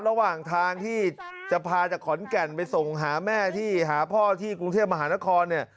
ระหว่างทางที่จะพาจากขอนแก่นไปส่งหาแม่ที่หาพ่อที่กรุงเทพมหานครเนี่ย